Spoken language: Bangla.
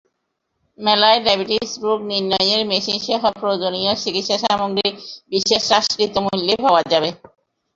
মেলায় ডায়াবেটিস রোগ নির্ণয়ের মেশিনসহ প্রয়োজনীয় চিকিৎসাসামগ্রী বিশেষ হ্রাসকৃত মূল্যে পাওয়া যাবে।